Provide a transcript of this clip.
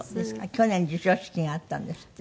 去年授賞式があったんですって？